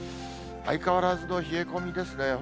相変わらずの冷え込みですね。